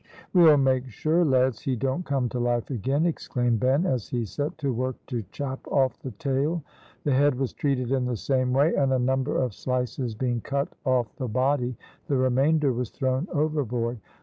"We'll make sure, lads, he don't come to life again," exclaimed Ben, as he set to work to chop off the tail. The head was treated in the same way; and a number of slices being cut off the body, the remainder was thrown overboard.